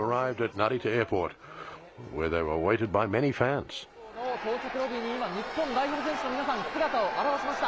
成田空港の到着ロビーに、日本代表選手の皆さん、姿を現しました。